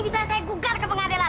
bisa saya gugat ke pengadilan